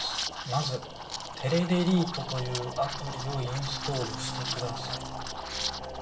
「まずテレデリートというアプリをインストールしてください」